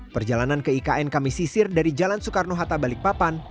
perjalanan ke ikn kami sisir dari jalan soekarno hatta balikpapan